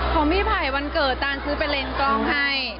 ของพี่ไผ่วันเกิดตานซื้อไปเลนส์กล้องให้